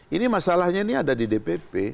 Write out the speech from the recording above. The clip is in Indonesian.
ini masalahnya ini ada di dpp